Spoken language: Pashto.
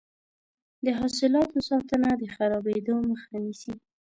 د حاصلاتو ساتنه د خرابیدو مخه نیسي.